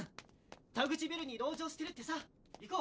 田口ビルに籠城してるってさ行こう！